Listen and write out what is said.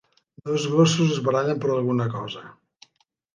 Dos gossos es barallen per alguna cosa.